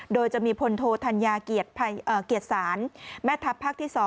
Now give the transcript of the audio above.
โดยจะมีพลโทธัญญาเกียรติศาลแม่ทัพภาคที่๒